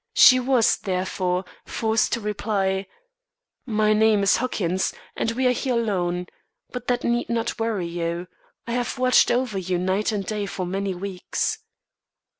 She was, therefore, forced to reply: "My name is Huckins, and we are here alone. But that need not worry you. I have watched over you night and day for many weeks."